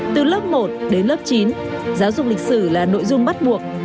từ lớp một đến lớp chín giáo dục lịch sử là nội dung bắt buộc